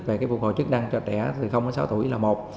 về cái phục hồi chức năng cho trẻ từ đến sáu tuổi là một